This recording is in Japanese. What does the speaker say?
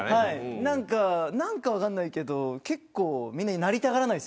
何か分からないけどみんな、なりたがらないんです。